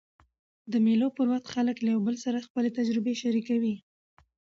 د مېلو پر وخت خلک له یو بل سره خپلي تجربې شریکوي.